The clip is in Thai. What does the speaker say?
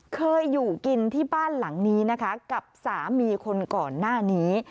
เคยอยู่กินที่บ้านหลังนี้นะคะกับสามีคนก่อนหน้านี้